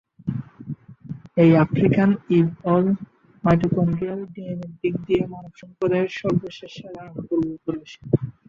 এই African Eve হল, mitochondrial ডিএনএর দিক দিয়ে মানব সম্প্রদায়ের সর্বশেষ সাধারণ পূর্বপুরুষ।